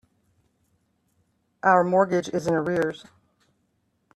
Our mortgage is in arrears.